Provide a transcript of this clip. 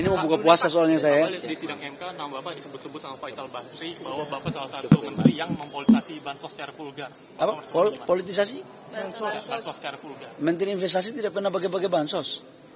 menteri investasi tidak pernah pakai pakai bahan sos